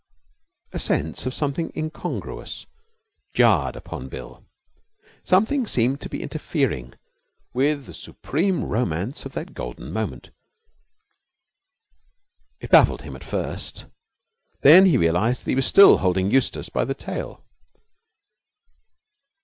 A sense of something incongruous jarred upon Bill. Something seemed to be interfering with the supreme romance of that golden moment. It baffled him at first. Then he realized that he was still holding Eustace by the tail.